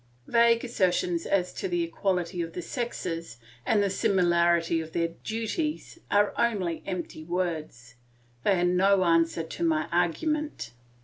Vague assertions as to the equality of the sexes and the similarity of their duties are only empty words; they are no answer to my argument.